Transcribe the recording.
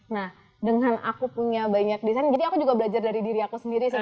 nah dengan aku punya banyak desain jadi aku juga belajar dari diri aku sendiri sih